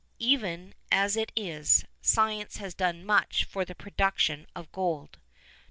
Even as it is, science has done much for the production of gold.